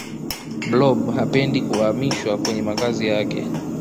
blob hapendi kuamishwa kwenye makazi yake